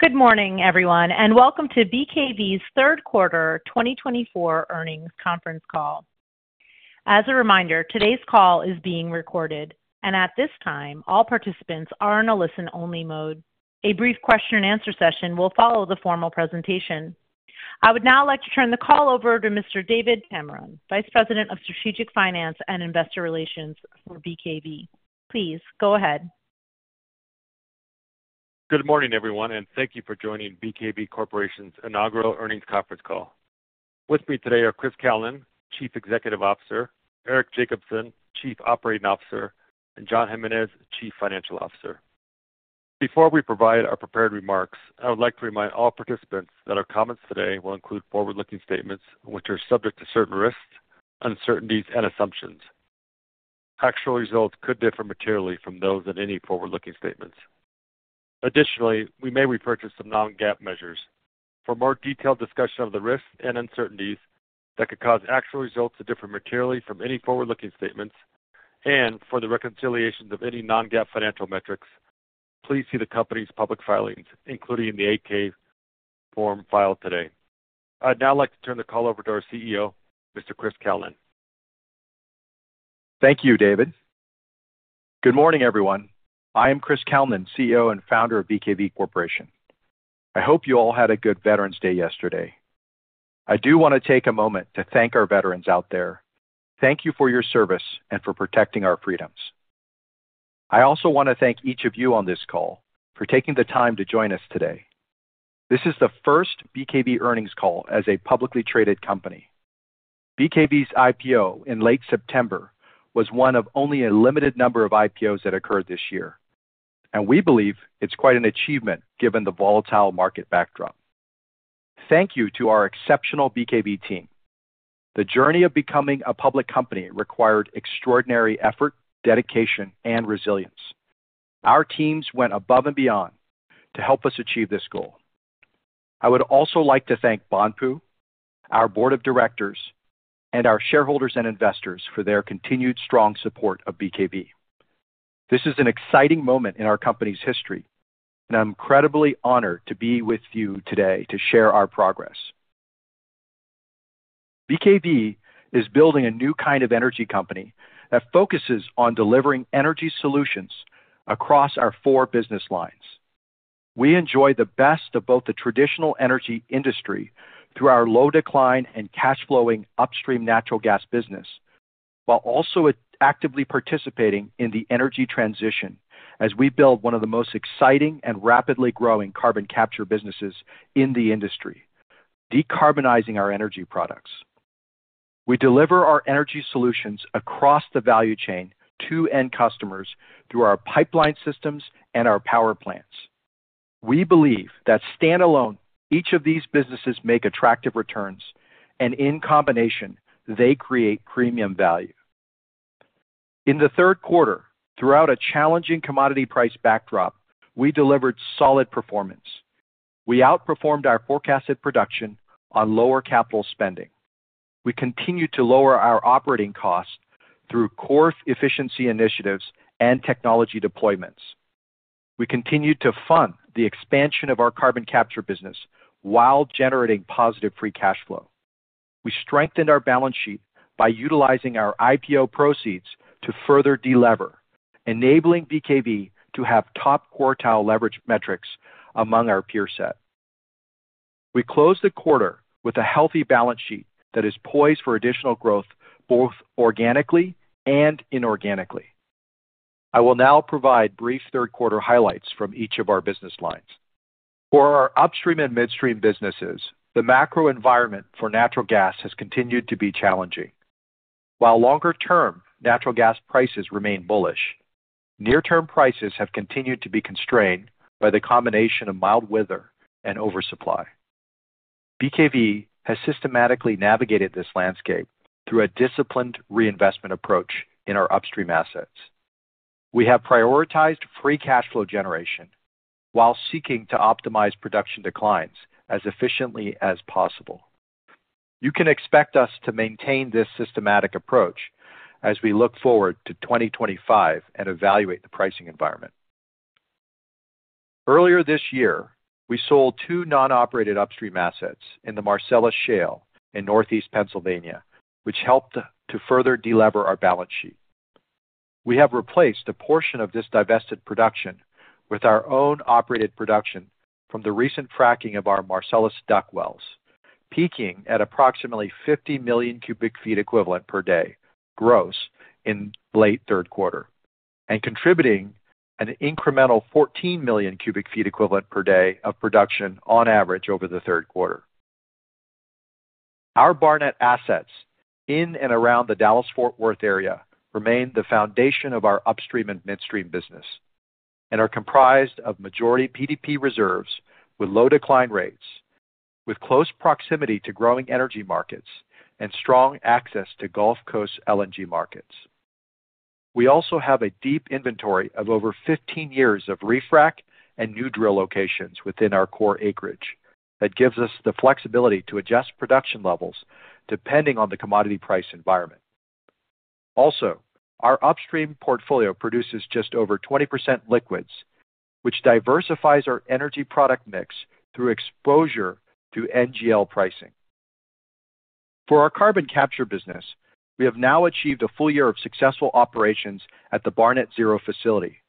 Good morning, everyone, and welcome to BKV's Third Quarter 2024 Earnings Conference Call. As a reminder, today's call is being recorded, and at this time, all participants are in a listen-only mode. A brief question-and-answer session will follow the formal presentation. I would now like to turn the call over to Mr. David Tameron, Vice President of Strategic Finance and Investor Relations for BKV. Please go ahead. Good morning, everyone, and thank you for joining BKV Corporation's inaugural earnings conference call. With me today are Chris Kalnin, Chief Executive Officer, Eric Jacobsen, Chief Operating Officer, and John Jimenez, Chief Financial Officer. Before we provide our prepared remarks, I would like to remind all participants that our comments today will include forward-looking statements, which are subject to certain risks, uncertainties, and assumptions. Actual results could differ materially from those in any forward-looking statements. Additionally, we may refer to some non-GAAP measures. For more detailed discussion of the risks and uncertainties that could cause actual results to differ materially from any forward-looking statements, and for the reconciliations of any non-GAAP financial metrics, please see the company's public filings, including the 8-K form filed today. I'd now like to turn the call over to our CEO, Mr. Chris Kalnin. Thank you, David. Good morning, everyone. I am Chris Kalnin, CEO and Founder of BKV Corporation. I hope you all had a good Veterans Day yesterday. I do want to take a moment to thank our veterans out there. Thank you for your service and for protecting our freedoms. I also want to thank each of you on this call for taking the time to join us today. This is the first BKV earnings call as a publicly traded company. BKV's IPO in late September was one of only a limited number of IPOs that occurred this year, and we believe it's quite an achievement given the volatile market backdrop. Thank you to our exceptional BKV team. The journey of becoming a public company required extraordinary effort, dedication, and resilience. Our teams went above and beyond to help us achieve this goal. I would also like to thank Banpu, our Board of Directors, and our shareholders and investors for their continued strong support of BKV. This is an exciting moment in our company's history, and I'm incredibly honored to be with you today to share our progress. BKV is building a new kind of energy company that focuses on delivering energy solutions across our four business lines. We enjoy the best of both the traditional energy industry through our low-decline and cash-flowing upstream natural gas business, while also actively participating in the energy transition as we build one of the most exciting and rapidly growing carbon capture businesses in the industry, decarbonizing our energy products. We deliver our energy solutions across the value chain to end customers through our pipeline systems and our power plants. We believe that stand-alone, each of these businesses makes attractive returns, and in combination, they create premium value. In the third quarter, throughout a challenging commodity price backdrop, we delivered solid performance. We outperformed our forecasted production on lower capital spending. We continued to lower our operating costs through core efficiency initiatives and technology deployments. We continued to fund the expansion of our carbon capture business while generating positive free cash flow. We strengthened our balance sheet by utilizing our IPO proceeds to further delever, enabling BKV to have top quartile leverage metrics among our peer set. We closed the quarter with a healthy balance sheet that is poised for additional growth both organically and inorganically. I will now provide brief third-quarter highlights from each of our business lines. For our upstream and midstream businesses, the macro environment for natural gas has continued to be challenging. While longer-term natural gas prices remain bullish, near-term prices have continued to be constrained by the combination of mild weather and oversupply. BKV has systematically navigated this landscape through a disciplined reinvestment approach in our upstream assets. We have prioritized free cash flow generation while seeking to optimize production declines as efficiently as possible. You can expect us to maintain this systematic approach as we look forward to 2025 and evaluate the pricing environment. Earlier this year, we sold two non-operated upstream assets in the Marcellus Shale in Northeast Pennsylvania, which helped to further deleverage our balance sheet. We have replaced a portion of this divested production with our own operated production from the recent fracking of our Marcellus DUC wells, peaking at approximately 50 million cubic feet equivalent per day gross in late third quarter, and contributing an incremental 14 million cubic feet equivalent per day of production on average over the third quarter. Our Barnett assets in and around the Dallas-Fort Worth area remain the foundation of our upstream and midstream business and are comprised of majority PDP reserves with low decline rates, with close proximity to growing energy markets and strong access to Gulf Coast LNG markets. We also have a deep inventory of over 15 years of refracs and new drill locations within our core acreage that gives us the flexibility to adjust production levels depending on the commodity price environment. Also, our upstream portfolio produces just over 20% liquids, which diversifies our energy product mix through exposure to NGL pricing. For our carbon capture business, we have now achieved a full year of successful operations at the Barnett Zero facility.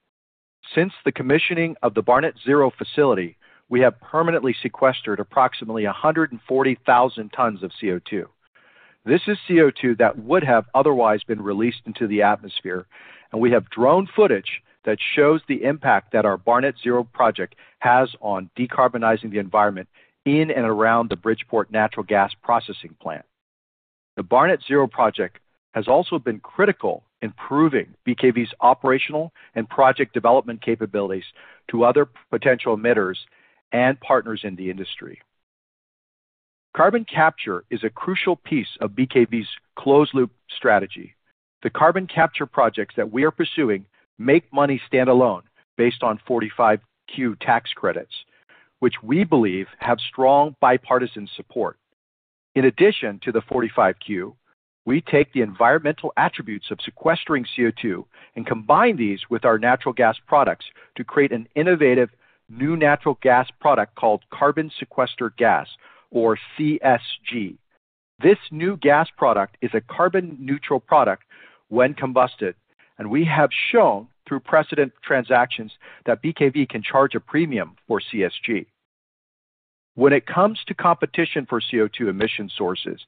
Since the commissioning of the Barnett Zero facility, we have permanently sequestered approximately 140,000 tons of CO2. This is CO2 that would have otherwise been released into the atmosphere, and we have drone footage that shows the impact that our Barnett Zero project has on decarbonizing the environment in and around the Bridgeport Natural Gas Processing Plant. The Barnett Zero project has also been critical in proving BKV's operational and project development capabilities to other potential emitters and partners in the industry. Carbon capture is a crucial piece of BKV's closed-loop strategy. The carbon capture projects that we are pursuing make money stand-alone based on 45Q tax credits, which we believe have strong bipartisan support. In addition to the 45Q, we take the environmental attributes of sequestering CO2 and combine these with our natural gas products to create an innovative new natural gas product called carbon sequestered gas, or CSG. This new gas product is a carbon-neutral product when combusted, and we have shown through precedent transactions that BKV can charge a premium for CSG. When it comes to competition for CO2 emission sources,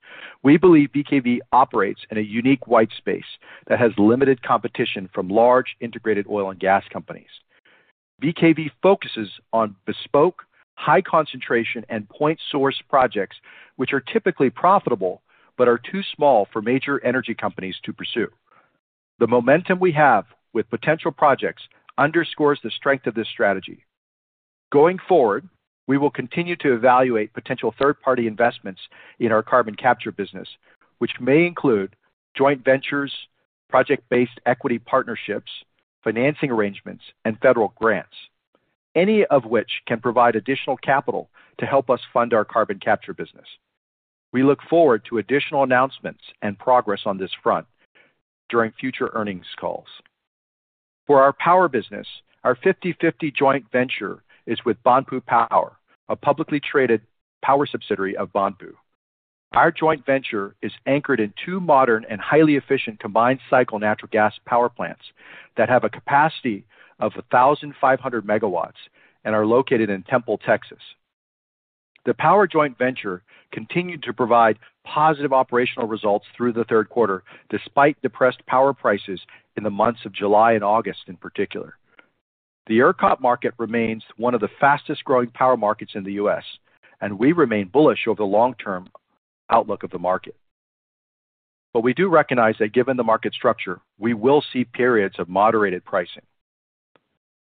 we believe BKV operates in a unique white space that has limited competition from large integrated oil and gas companies. BKV focuses on bespoke, high-concentration, and point-source projects, which are typically profitable but are too small for major energy companies to pursue. The momentum we have with potential projects underscores the strength of this strategy. Going forward, we will continue to evaluate potential third-party investments in our carbon capture business, which may include joint ventures, project-based equity partnerships, financing arrangements, and federal grants, any of which can provide additional capital to help us fund our carbon capture business. We look forward to additional announcements and progress on this front during future earnings calls. For our power business, our 50/50 joint venture is with Banpu Power, a publicly traded power subsidiary of Banpu. Our joint venture is anchored in two modern and highly efficient combined-cycle natural gas power plants that have a capacity of 1,500 MW and are located in Temple, Texas. The power joint venture continued to provide positive operational results through the third quarter despite depressed power prices in the months of July and August in particular. The ERCOT market remains one of the fastest-growing power markets in the U.S., and we remain bullish over the long-term outlook of the market. But we do recognize that given the market structure, we will see periods of moderated pricing.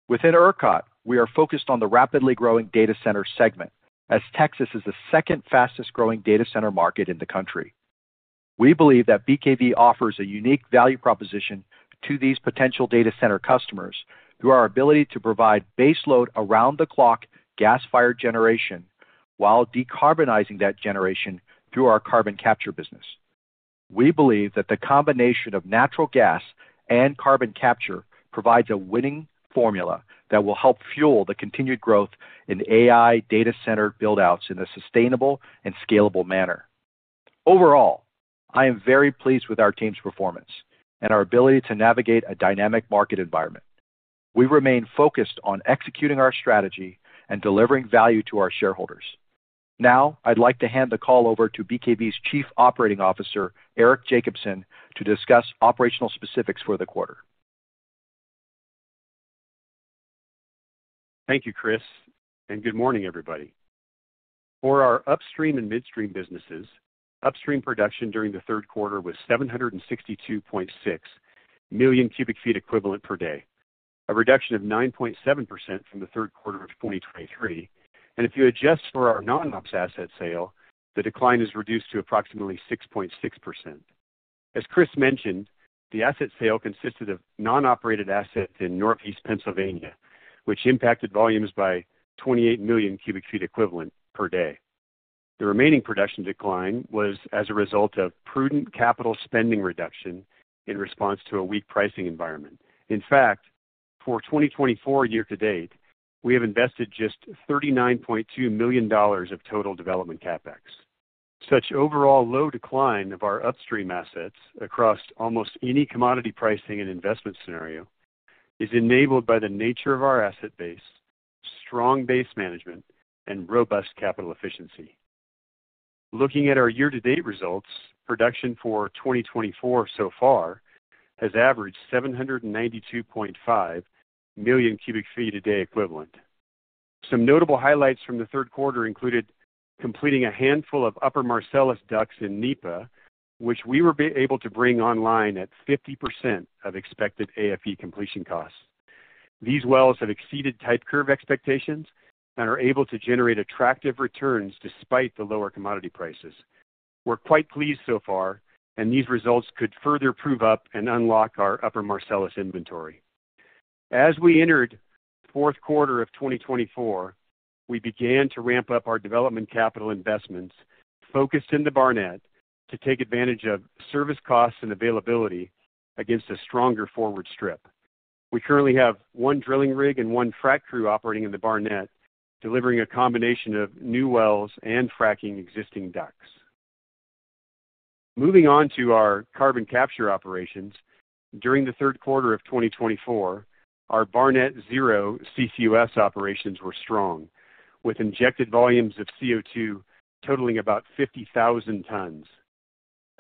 Within air cot, we are focused on the rapidly growing data center segment as Texas is the second fastest-growing data center market in the country. We believe that BKV offers a unique value proposition to these potential data center customers through our ability to provide baseload around-the-clock gas-fired generation while decarbonizing that generation through our carbon capture business. We believe that the combination of natural gas and carbon capture provides a winning formula that will help fuel the continued growth in AI data center buildouts in a sustainable and scalable manner. Overall, I am very pleased with our team's performance and our ability to navigate a dynamic market environment. We remain focused on executing our strategy and delivering value to our shareholders. Now, I'd like to hand the call over to BKV's Chief Operating Officer, Eric Jacobsen, to discuss operational specifics for the quarter. Thank you, Chris, and good morning, everybody. For our upstream and midstream businesses, upstream production during the third quarter was 762.6 million cubic feet equivalent per day, a reduction of 9.7% from the third quarter of 2023. And if you adjust for our non-ops asset sale, the decline is reduced to approximately 6.6%. As Chris mentioned, the asset sale consisted of non-operated assets in Northeast Pennsylvania, which impacted volumes by 28 million cubic feet equivalent per day. The remaining production decline was as a result of prudent capital spending reduction in response to a weak pricing environment. In fact, for 2024 year to date, we have invested just $39.2 million of total development CapEx. Such overall low decline of our upstream assets across almost any commodity pricing and investment scenario is enabled by the nature of our asset base, strong base management, and robust capital efficiency. Looking at our year-to-date results, production for 2024 so far has averaged 792.5 million cubic feet a day equivalent. Some notable highlights from the third quarter included completing a handful of upper Marcellus DUCs in NEPA, which we were able to bring online at 50% of expected AFE completion costs. These wells have exceeded type curve expectations and are able to generate attractive returns despite the lower commodity prices. We're quite pleased so far, and these results could further prove up and unlock our upper Marcellus inventory. As we entered the fourth quarter of 2024, we began to ramp up our development capital investments focused in the Barnett to take advantage of service costs and availability against a stronger forward strip. We currently have one drilling rig and one frac crew operating in the Barnett, delivering a combination of new wells and fracking existing DUCs. Moving on to our carbon capture operations, during the third quarter of 2024, our Barnett Zero CCUS operations were strong, with injected volumes of CO2 totaling about 50,000 tons.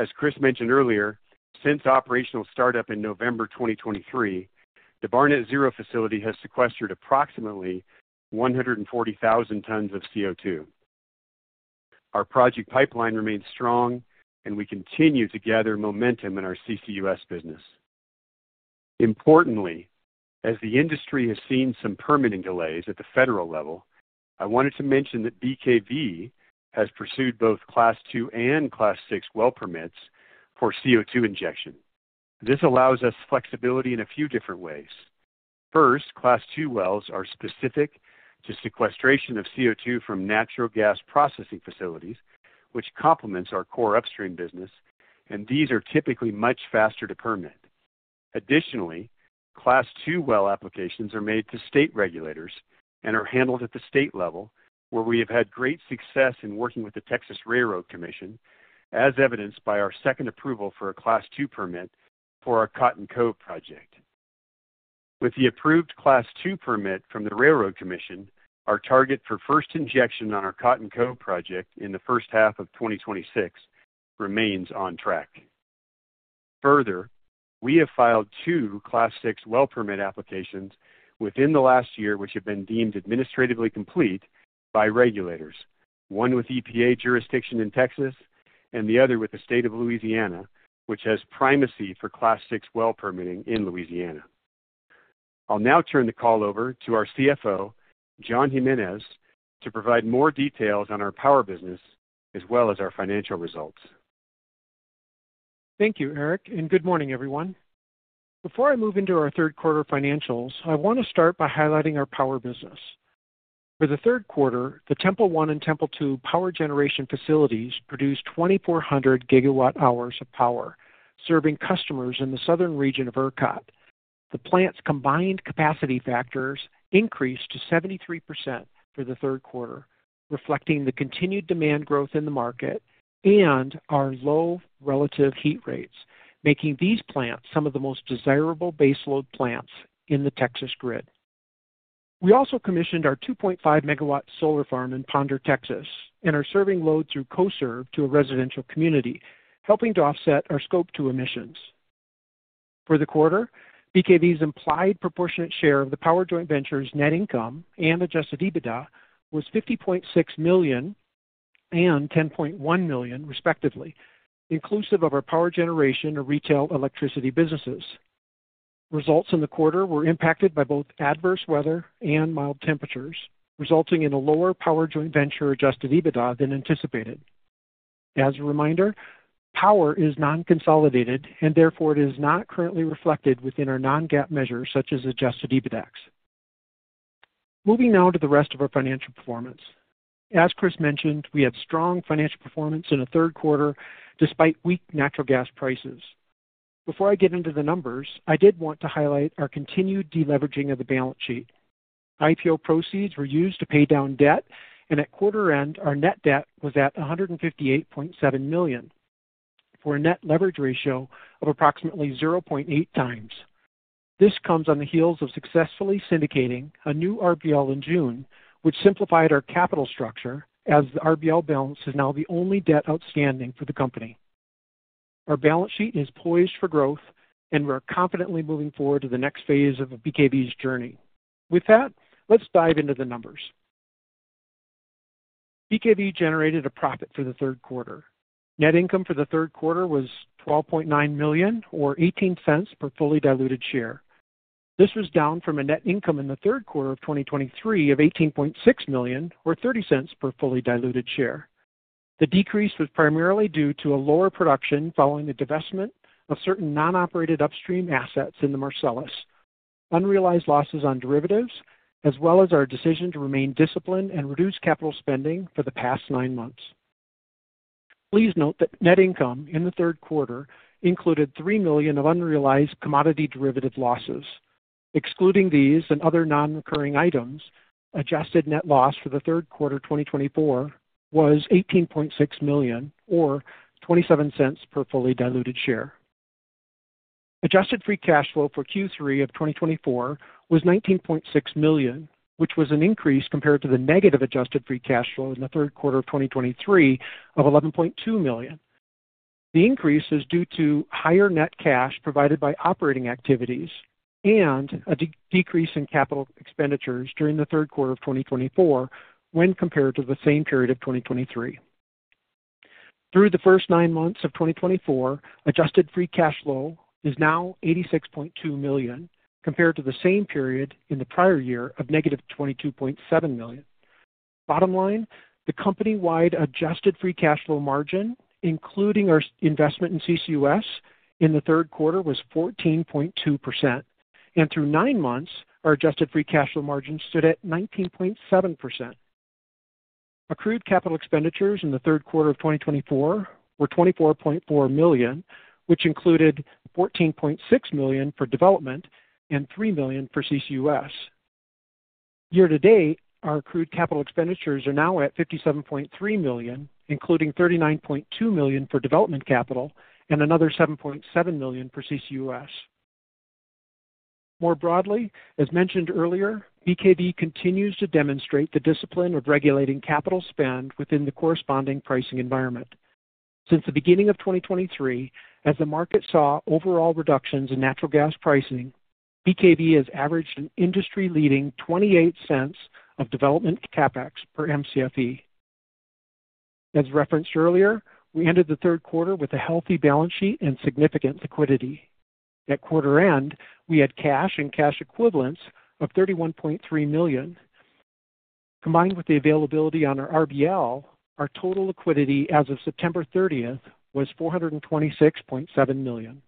As Chris mentioned earlier, since operational startup in November 2023, the Barnett Zero facility has sequestered approximately 140,000 tons of CO2. Our project pipeline remains strong, and we continue to gather momentum in our CCUS business. Importantly, as the industry has seen some permanent delays at the federal level, I wanted to mention that BKV has pursued both Class II and Class VI well permits for CO2 injection. This allows us flexibility in a few different ways. First, Class II wells are specific to sequestration of CO2 from natural gas processing facilities, which complements our core upstream business, and these are typically much faster to permit. Additionally, Class II well applications are made to state regulators and are handled at the state level, where we have had great success in working with the Railroad Commission of Texas, as evidenced by our second approval for a Class II permit for our Cotton Cove project. With the approved Class II permit from the Railroad Commission of Texas, our target for first injection on our Cotton Cove project in the first half of 2026 remains on track. Further, we have filed two Class VI well permit applications within the last year, which have been deemed administratively complete by regulators, one with EPA jurisdiction in Texas and the other with the state of Louisiana, which has primacy for Class VI well permitting in Louisiana. I'll now turn the call over to our CFO, John Jimenez, to provide more details on our power business as well as our financial results. Thank you, Eric, and good morning, everyone. Before I move into our third quarter financials, I want to start by highlighting our power business. For the third quarter, the Temple I and Temple II power generation facilities produced 2,400 GW hours of power serving customers in the southern region of ERCOT. The plant's combined capacity factors increased to 73% for the third quarter, reflecting the continued demand growth in the market and our low relative heat rates, making these plants some of the most desirable baseload plants in the Texas grid. We also commissioned our 2.5 megawatt solar farm in Ponder, Texas, and are serving load through CoServ to a residential community, helping to offset our Scope 2 emissions. For the quarter, BKV's implied proportionate share of the power joint venture's net income and adjusted EBITDA was $50.6 million and $10.1 million, respectively, inclusive of our power generation or retail electricity businesses. Results in the quarter were impacted by both adverse weather and mild temperatures, resulting in a lower power joint venture adjusted EBITDA than anticipated. As a reminder, power is non-consolidated, and therefore it is not currently reflected within our non-GAAP measures such as adjusted EBITDAs. Moving now to the rest of our financial performance. As Chris mentioned, we had strong financial performance in the third quarter despite weak natural gas prices. Before I get into the numbers, I did want to highlight our continued deleveraging of the balance sheet. IPO proceeds were used to pay down debt, and at quarter end, our net debt was at $158.7 million for a net leverage ratio of approximately 0.8x. This comes on the heels of successfully syndicating a new RBL in June, which simplified our capital structure as the RBL balance is now the only debt outstanding for the company. Our balance sheet is poised for growth, and we're confidently moving forward to the next phase of BKV's journey. With that, let's dive into the numbers. BKV generated a profit for the third quarter. Net income for the third quarter was $12.9 million, or $0.18 per fully diluted share. This was down from a net income in the third quarter of 2023 of $18.6 million, or $0.30 per fully diluted share. The decrease was primarily due to a lower production following the divestment of certain non-operated upstream assets in the Marcellus, unrealized losses on derivatives, as well as our decision to remain disciplined and reduce capital spending for the past nine months. Please note that net income in the third quarter included $3 million of unrealized commodity derivative losses. Excluding these and other non-recurring items, adjusted net loss for the third quarter 2024 was $18.6 million, or $0.27 per fully diluted share. Adjusted free cash flow for Q3 of 2024 was $19.6 million, which was an increase compared to the negative adjusted free cash flow in the third quarter of 2023 of $11.2 million. The increase is due to higher net cash provided by operating activities and a decrease in capital expenditures during the third quarter of 2024 when compared to the same period of 2023. Through the first nine months of 2024, adjusted free cash flow is now $86.2 million compared to the same period in the prior year of negative $22.7 million. Bottom line, the company-wide adjusted free cash flow margin, including our investment in CCUS in the third quarter, was 14.2%. And through nine months, our adjusted free cash flow margin stood at 19.7%. Accrued capital expenditures in the third quarter of 2024 were $24.4 million, which included $14.6 million for development and $3 million for CCUS. Year to date, our accrued capital expenditures are now at $57.3 million, including $39.2 million for development capital and another $7.7 million for CCUS. More broadly, as mentioned earlier, BKV continues to demonstrate the discipline of regulating capital spend within the corresponding pricing environment. Since the beginning of 2023, as the market saw overall reductions in natural gas pricing, BKV has averaged an industry-leading $0.28 of development CapEx per MCFE. As referenced earlier, we ended the third quarter with a healthy balance sheet and significant liquidity. At quarter end, we had cash and cash equivalents of $31.3 million. Combined with the availability on our RBL, our total liquidity as of September 30th was $426.7 million.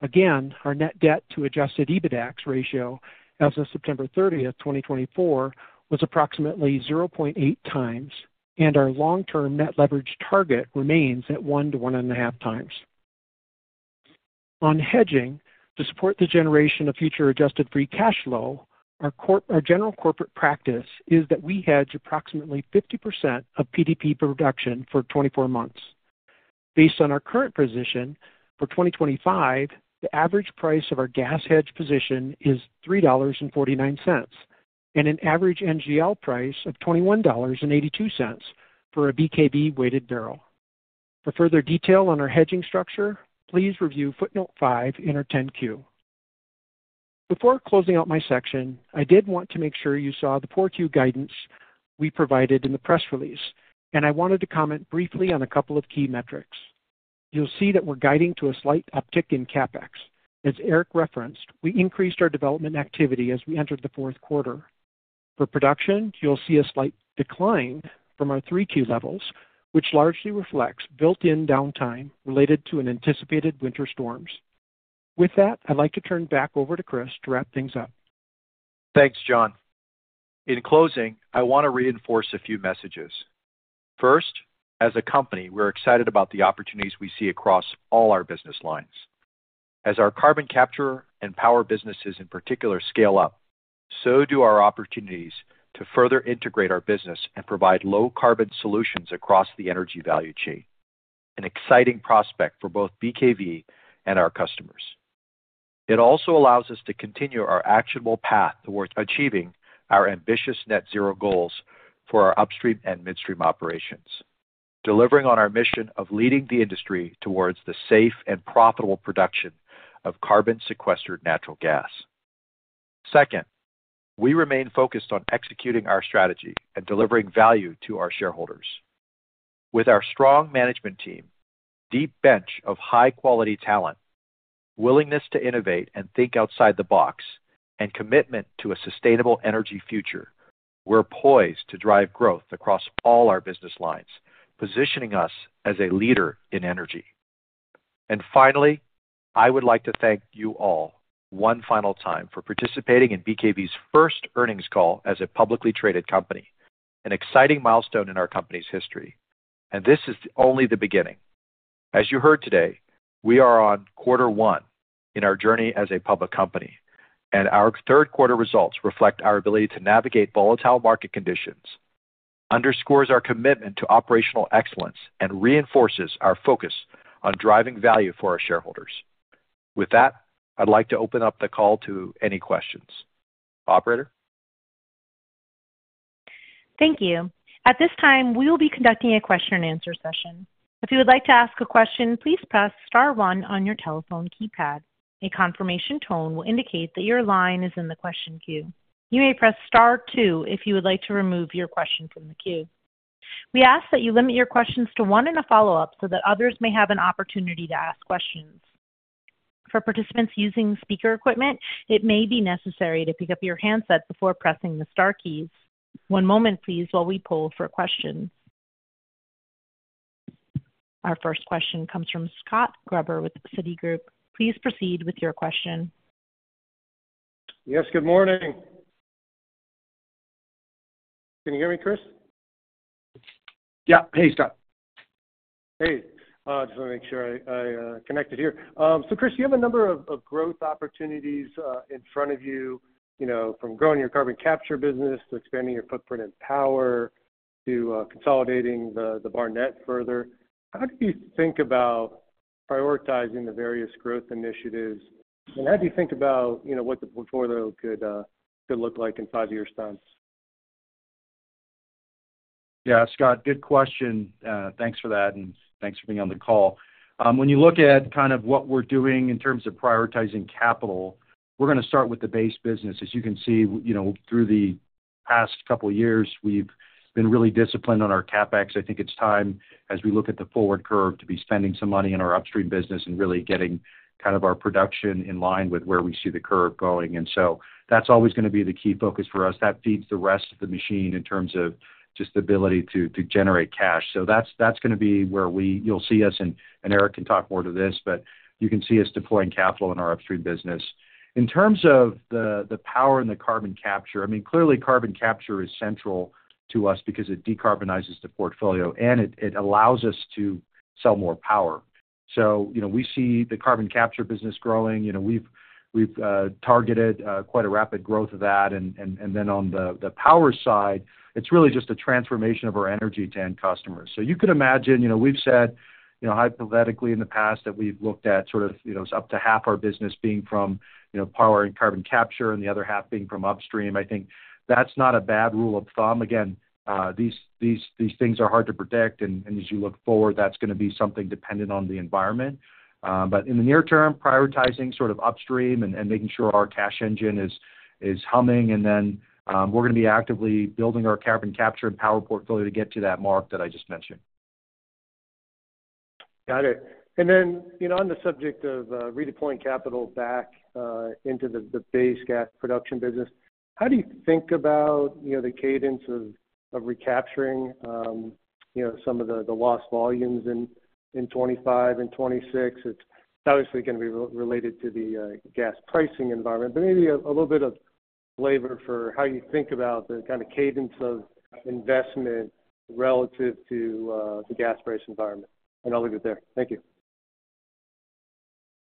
Again, our net debt to adjusted EBITDA ratio as of September 30th, 2024, was approximately 0.8x, and our long-term net leverage target remains at 1-1.5x. On hedging, to support the generation of future adjusted free cash flow, our general corporate practice is that we hedge approximately 50% of PDP production for 24 months. Based on our current position, for 2025, the average price of our gas hedge position is $3.49 and an average NGL price of $21.82 for a BKV-weighted barrel. For further detail on our hedging structure, please review footnote five in our 10-Q. Before closing out my section, I did want to make sure you saw the Q4 guidance we provided in the press release, and I wanted to comment briefly on a couple of key metrics. You'll see that we're guiding to a slight uptick in CapEx. As Eric referenced, we increased our development activity as we entered the fourth quarter. For production, you'll see a slight decline from our Q3 levels, which largely reflects built-in downtime related to anticipated winter storms. With that, I'd like to turn back over to Chris to wrap things up. Thanks, John. In closing, I want to reinforce a few messages. First, as a company, we're excited about the opportunities we see across all our business lines. As our carbon capture and power businesses in particular scale up, so do our opportunities to further integrate our business and provide low-carbon solutions across the energy value chain. An exciting prospect for both BKV and our customers. It also allows us to continue our actionable path towards achieving our ambitious net zero goals for our upstream and midstream operations, delivering on our mission of leading the industry towards the safe and profitable production of carbon-sequestered natural gas. Second, we remain focused on executing our strategy and delivering value to our shareholders. With our strong management team, deep bench of high-quality talent, willingness to innovate and think outside the box, and commitment to a sustainable energy future, we're poised to drive growth across all our business lines, positioning us as a leader in energy. And finally, I would like to thank you all one final time for participating in BKV's first earnings call as a publicly traded company, an exciting milestone in our company's history. And this is only the beginning. As you heard today, we are on quarter one in our journey as a public company, and our third quarter results reflect our ability to navigate volatile market conditions, underscores our commitment to operational excellence, and reinforces our focus on driving value for our shareholders. With that, I'd like to open up the call to any questions. Operator? Thank you. At this time, we will be conducting a question-and-answer session. If you would like to ask a question, please press star one on your telephone keypad. A confirmation tone will indicate that your line is in the question queue. You may press star two if you would like to remove your question from the queue. We ask that you limit your questions to one and a follow-up so that others may have an opportunity to ask questions. For participants using speaker equipment, it may be necessary to pick up your handset before pressing the star keys. One moment, please, while we pull for questions. Our first question comes from Scott Gruber with Citigroup. Please proceed with your question. Yes, good morning. Can you hear me, Chris? Yeah, hey, Scott. Hey. Just want to make sure I connected here. So, Chris, you have a number of growth opportunities in front of you, from growing your carbon capture business to expanding your footprint in power to consolidating the Barnett further. How do you think about prioritizing the various growth initiatives, and how do you think about what the portfolio could look like in five years' time? Yeah, Scott, good question. Thanks for that, and thanks for being on the call. When you look at kind of what we're doing in terms of prioritizing capital, we're going to start with the base business. As you can see, through the past couple of years, we've been really disciplined on our CapEx. I think it's time, as we look at the forward curve, to be spending some money in our upstream business and really getting kind of our production in line with where we see the curve going. And so that's always going to be the key focus for us. That feeds the rest of the machine in terms of just the ability to generate cash. So that's going to be where you'll see us, and Eric can talk more to this, but you can see us deploying capital in our upstream business. In terms of the power and the carbon capture, I mean, clearly, carbon capture is central to us because it decarbonizes the portfolio, and it allows us to sell more power. So we see the carbon capture business growing. We've targeted quite a rapid growth of that. And then on the power side, it's really just a transformation of our energy to end customers. So you could imagine we've said, hypothetically, in the past that we've looked at sort of up to half our business being from power and carbon capture and the other half being from upstream. I think that's not a bad rule of thumb. Again, these things are hard to predict, and as you look forward, that's going to be something dependent on the environment. But in the near term, prioritizing sort of upstream and making sure our cash engine is humming, and then we're going to be actively building our carbon capture and power portfolio to get to that mark that I just mentioned. Got it. And then on the subject of redeploying capital back into the base gas production business, how do you think about the cadence of recapturing some of the lost volumes in 2025 and 2026? It's obviously going to be related to the gas pricing environment, but maybe a little bit of flavor for how you think about the kind of cadence of investment relative to the gas price environment. And I'll leave it there. Thank you.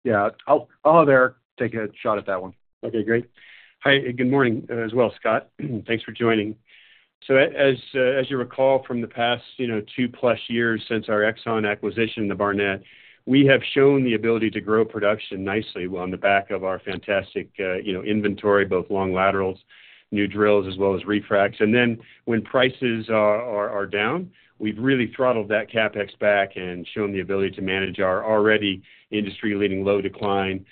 Yeah. I'll let Eric take a shot at that one. Okay, great. Hi, good morning as well, Scott. Thanks for joining. So as you recall from the past two-plus years since our Exxon acquisition, the Barnett, we have shown the ability to grow production nicely on the back of our fantastic inventory, both long laterals, new drills, as well as refracs. And then when prices are down, we've really throttled that CapEx back and shown the ability to manage our already industry-leading low decline,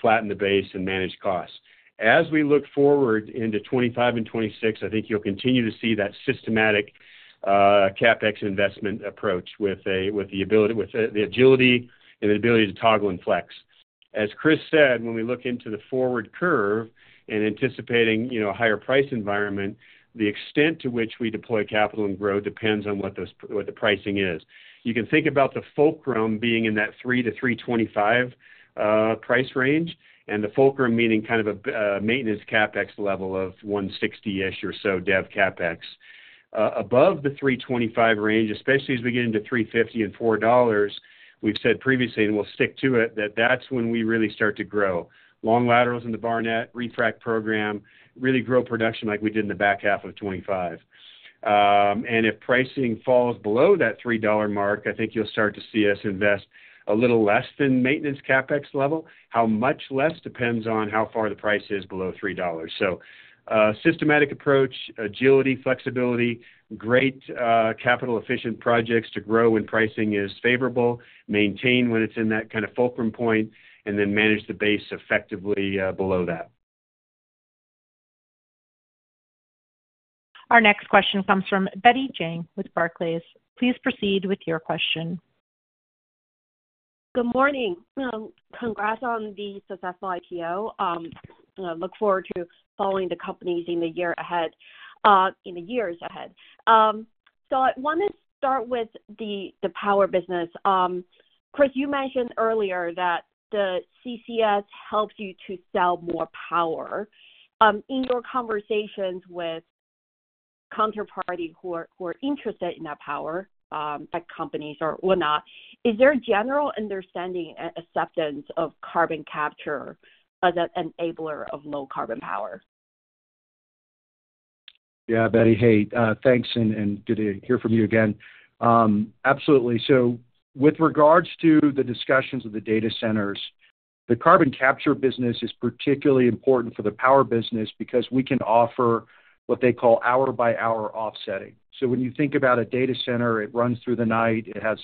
flatten the base, and manage costs. As we look forward into 2025 and 2026, I think you'll continue to see that systematic CapEx investment approach with the agility and the ability to toggle and flex. As Chris said, when we look into the forward curve and anticipating a higher price environment, the extent to which we deploy capital and grow depends on what the pricing is. You can think about the fulcrum being in that $3-$3.25 price range, and the fulcrum meaning kind of a maintenance CapEx level of 160-ish or so dev CapEx. Above the $3.25 range, especially as we get into $3.50 and $4, we've said previously, and we'll stick to it, that that's when we really start to grow. Long laterals in the Barnett, refrac program, really grow production like we did in the back half of 2025. If pricing falls below that $3 mark, I think you'll start to see us invest a little less than maintenance CapEx level. How much less depends on how far the price is below $3. So systematic approach, agility, flexibility, great capital-efficient projects to grow when pricing is favorable, maintain when it's in that kind of fulcrum point, and then manage the base effectively below that. Our next question comes from Betty Jiang with Barclays. Please proceed with your question. Good morning. Congrats on the successful IPO. Look forward to following the company in the years ahead. So I want to start with the power business. Chris, you mentioned earlier that the CCS helps you to sell more power. In your conversations with counterparties who are interested in that power, like companies or whatnot, is there a general understanding and acceptance of carbon capture as an enabler of low carbon power? Yeah, Betty, hey, thanks, and good to hear from you again. Absolutely. So with regards to the discussions of the data centers, the carbon capture business is particularly important for the power business because we can offer what they call hour-by-hour offsetting. So when you think about a data center, it runs through the night. It has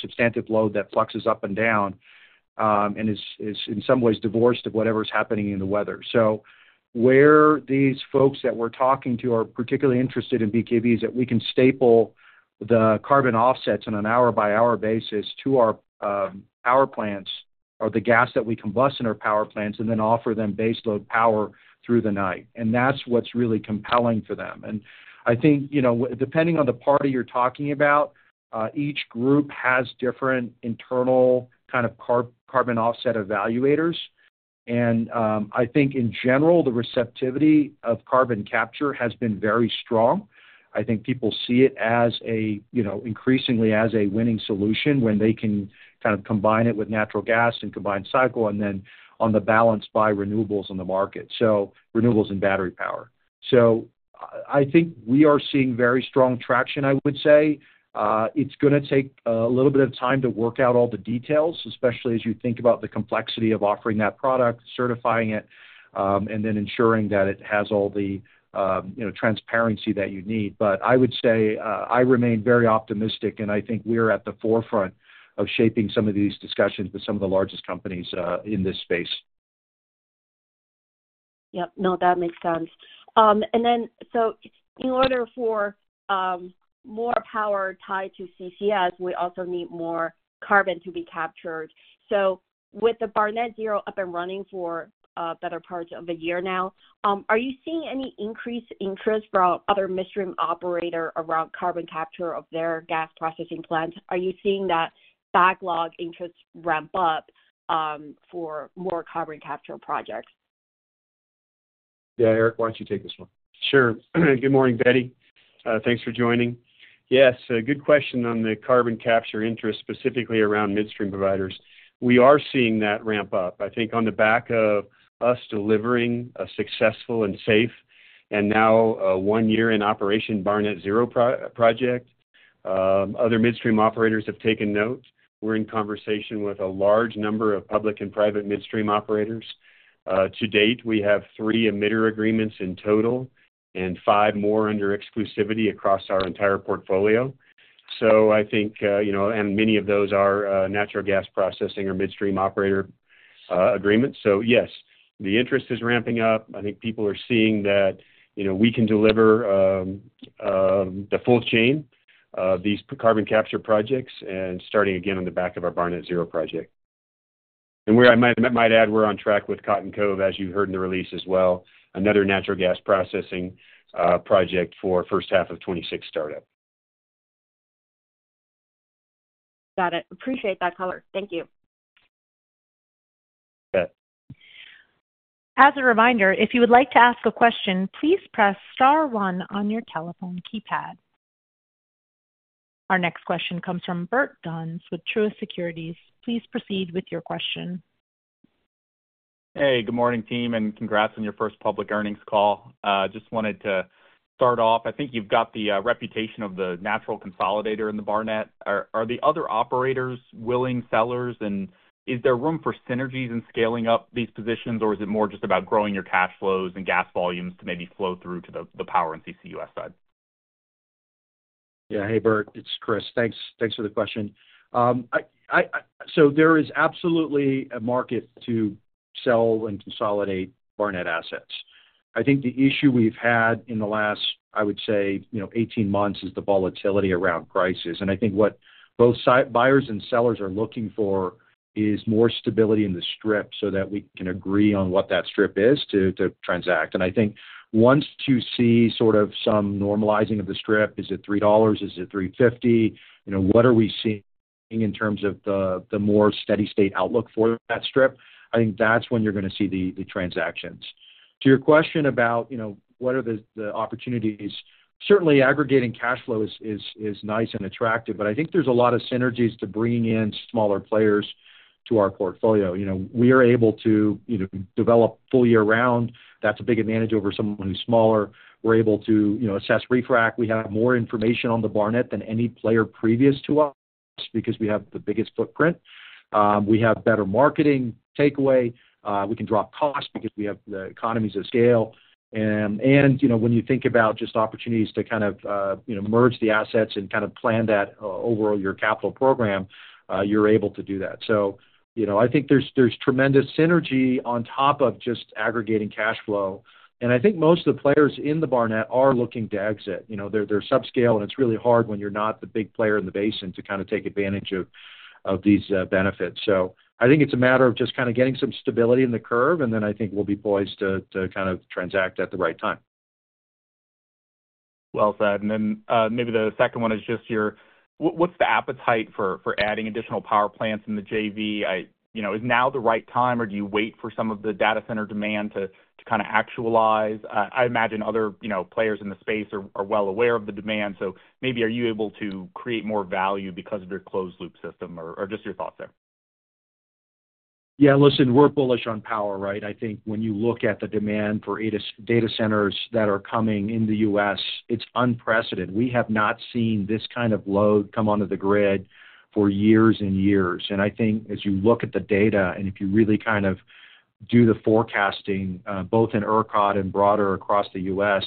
substantive load that fluxes up and down and is in some ways divorced of whatever's happening in the weather. So where these folks that we're talking to are particularly interested in BKV is that we can staple the carbon offsets on an hour-by-hour basis to our power plants or the gas that we combust in our power plants and then offer them base load power through the night. And that's what's really compelling for them. I think depending on the party you're talking about, each group has different internal kind of carbon offset evaluators. I think in general, the receptivity of carbon capture has been very strong. I think people see it increasingly as a winning solution when they can kind of combine it with natural gas and combined cycle and then on the balance by renewables in the market, so renewables and battery power. I think we are seeing very strong traction, I would say. It's going to take a little bit of time to work out all the details, especially as you think about the complexity of offering that product, certifying it, and then ensuring that it has all the transparency that you need. But I would say I remain very optimistic, and I think we're at the forefront of shaping some of these discussions with some of the largest companies in this space. Yep. No, that makes sense. And then so in order for more power tied to CCS, we also need more carbon to be captured. So with the Barnett Zero up and running for a better part of a year now, are you seeing any increased interest from other midstream operators around carbon capture of their gas processing plants? Are you seeing that backlog interest ramp up for more carbon capture projects? Yeah, Eric, why don't you take this one? Sure. Good morning, Betty. Thanks for joining. Yes, good question on the carbon capture interest specifically around midstream providers. We are seeing that ramp up. I think on the back of us delivering a successful and safe and now one-year-in-operation Barnett Zero project, other midstream operators have taken note. We're in conversation with a large number of public and private midstream operators. To date, we have three emitter agreements in total and five more under exclusivity across our entire portfolio. So I think, and many of those are natural gas processing or midstream operator agreements. So yes, the interest is ramping up. I think people are seeing that we can deliver the full chain of these carbon capture projects and starting again on the back of our Barnett Zero project. I might add we're on track with Cotton Cove, as you heard in the release as well, another natural gas processing project for first half of 2026 startup. Got it. Appreciate that, caller. Thank you. Okay. As a reminder, if you would like to ask a question, please press star one on your telephone keypad. Our next question comes from Bert Donnes with Truist Securities. Please proceed with your question. Hey, good morning, team, and congrats on your first public earnings call. Just wanted to start off. I think you've got the reputation of the natural consolidator in the Barnett. Are the other operators willing sellers, and is there room for synergies in scaling up these positions, or is it more just about growing your cash flows and gas volumes to maybe flow through to the power and CCUS side? Yeah. Hey, Bert. It's Chris. Thanks for the question. So there is absolutely a market to sell and consolidate Barnett assets. I think the issue we've had in the last, I would say, 18 months is the volatility around prices. And I think what both buyers and sellers are looking for is more stability in the strip so that we can agree on what that strip is to transact. And I think once you see sort of some normalizing of the strip, is it $3? Is it $3.50? What are we seeing in terms of the more steady-state outlook for that strip? I think that's when you're going to see the transactions. To your question about what are the opportunities, certainly aggregating cash flow is nice and attractive, but I think there's a lot of synergies to bringing in smaller players to our portfolio. We are able to develop fully around. That's a big advantage over someone who's smaller. We're able to assess refracs. We have more information on the Barnett than any player previous to us because we have the biggest footprint. We have better marketing takeaway. We can drop costs because we have the economies of scale, and when you think about just opportunities to kind of merge the assets and kind of plan that overall your capital program, you're able to do that, so I think there's tremendous synergy on top of just aggregating cash flow, and I think most of the players in the Barnett are looking to exit. They're subscale, and it's really hard when you're not the big player in the basin to kind of take advantage of these benefits. So I think it's a matter of just kind of getting some stability in the curve, and then I think we'll be poised to kind of transact at the right time. Well said. And then maybe the second one is just your, what's the appetite for adding additional power plants in the JV? Is now the right time, or do you wait for some of the data center demand to kind of actualize? I imagine other players in the space are well aware of the demand. So maybe are you able to create more value because of your closed-loop system or just your thoughts there? Yeah. Listen, we're bullish on power, right? I think when you look at the demand for data centers that are coming in the U.S., it's unprecedented. We have not seen this kind of load come onto the grid for years and years, and I think as you look at the data and if you really kind of do the forecasting, both in ERCOT and broader across the U.S.,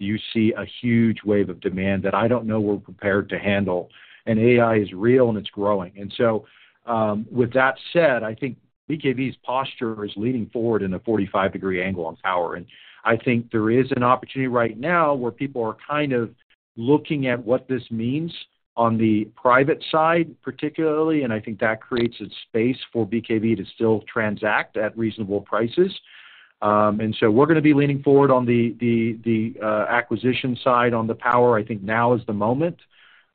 you see a huge wave of demand that I don't know we're prepared to handle. AI is real, and it's growing, so with that said, I think BKV's posture is leading forward in a 45-degree angle on power, and I think there is an opportunity right now where people are kind of looking at what this means on the private side, particularly, and I think that creates a space for BKV to still transact at reasonable prices. And so we're going to be leaning forward on the acquisition side on the power. I think now is the moment.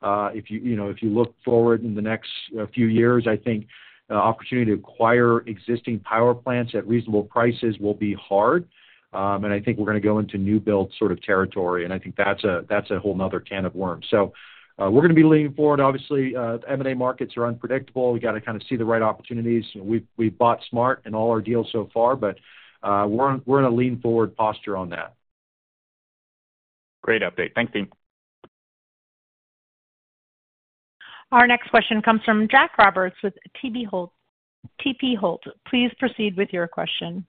If you look forward in the next few years, I think the opportunity to acquire existing power plants at reasonable prices will be hard. And I think we're going to go into new build sort of territory. And I think that's a whole another can of worms. So we're going to be leaning forward. Obviously, M&A markets are unpredictable. We got to kind of see the right opportunities. We've bought smart in all our deals so far, but we're in a lean-forward posture on that. Great update. Thanks, team. Our next question comes from Jake Roberts with Tudor, Pickering, Holt & Co. Please proceed with your question.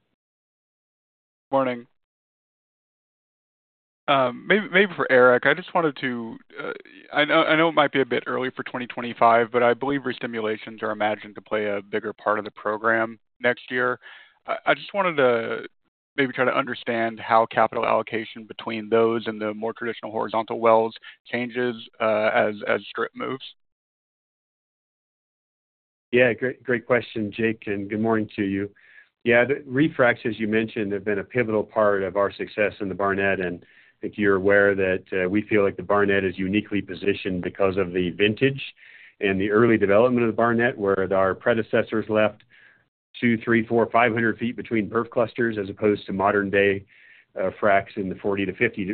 Good morning. Maybe for Eric, I just wanted to, I know it might be a bit early for 2025, but I believe restimulations are imagined to play a bigger part of the program next year. I just wanted to maybe try to understand how capital allocation between those and the more traditional horizontal wells changes as strip moves. Yeah. Great question, Jake, and good morning to you. Yeah. The refracs, as you mentioned, have been a pivotal part of our success in the Barnett, and I think you're aware that we feel like the Barnett is uniquely positioned because of the vintage and the early development of the Barnett where our predecessors left two, three, four, 500 feet between frac clusters as opposed to modern-day fracs in the 40 to 50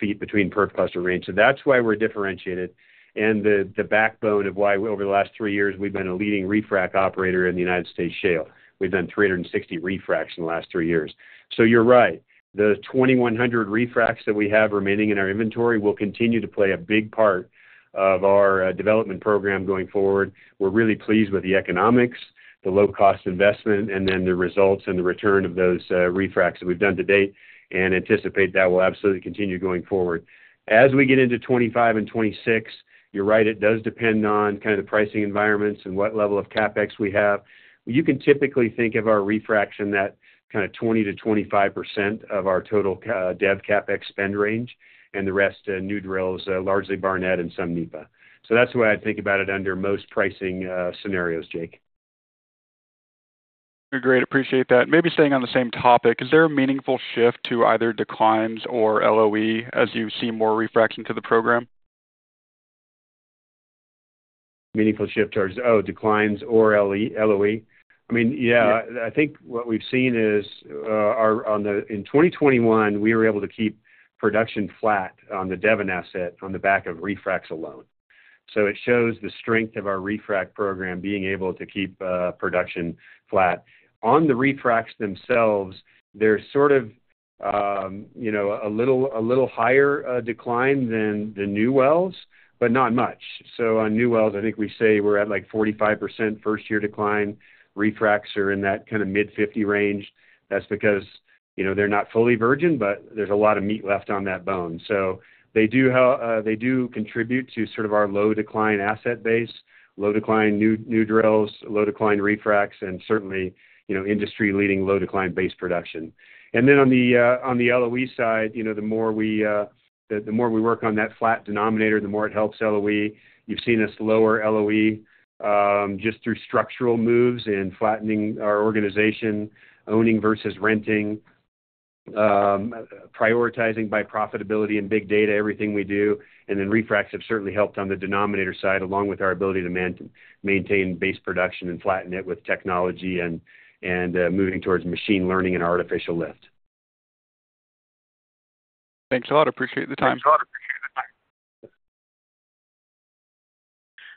feet between frac cluster range. So that's why we're differentiated. And the backbone of why over the last three years we've been a leading refrac operator in the United States shale. We've done 360 refracs in the last three years. So you're right. The 2,100 refracs that we have remaining in our inventory will continue to play a big part of our development program going forward. We're really pleased with the economics, the low-cost investment, and then the results and the return of those refracs that we've done to date and anticipate that will absolutely continue going forward. As we get into 2025 and 2026, you're right, it does depend on kind of the pricing environments and what level of CapEx we have. You can typically think of our refrac that kind of 20%-25% of our total dev CapEx spend range and the rest new drills, largely Barnett and some NEPA. So that's the way I'd think about it under most pricing scenarios, Jake. Great. Appreciate that. Maybe staying on the same topic, is there a meaningful shift to either declines or LOE as you see more refracs to the program? Meaningful shift towards, oh, declines or LOE. I mean, yeah, I think what we've seen is in 2021, we were able to keep production flat on the Devon asset on the back of refracs alone. So it shows the strength of our refrac program being able to keep production flat. On the refracs themselves, there's sort of a little higher decline than the new wells, but not much. So on new wells, I think we say we're at like 45% first-year decline. Refracs are in that kind of mid-50 range. That's because they're not fully virgin, but there's a lot of meat left on that bone. So they do contribute to sort of our low-decline asset base, low-decline new drills, low-decline refracs, and certainly industry-leading low-decline base production. And then on the LOE side, the more we work on that flat denominator, the more it helps LOE. You've seen us lower LOE just through structural moves and flattening our organization, owning versus renting, prioritizing by profitability and big data, everything we do, and then refracs have certainly helped on the denominator side along with our ability to maintain base production and flatten it with technology and moving towards machine learning and artificial lift. Thanks a lot. Appreciate the time. Thanks a lot. Appreciate the time.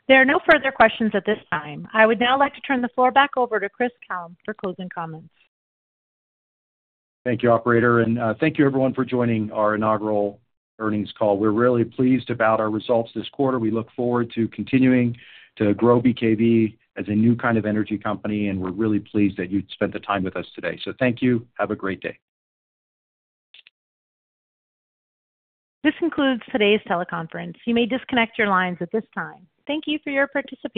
There are no further questions at this time. I would now like to turn the floor back over to Chris Kalnin for closing comments. Thank you, operator. And thank you, everyone, for joining our inaugural earnings call. We're really pleased about our results this quarter. We look forward to continuing to grow BKV as a new kind of energy company, and we're really pleased that you spent the time with us today. So thank you. Have a great day. This concludes today's teleconference. You may disconnect your lines at this time. Thank you for your participation.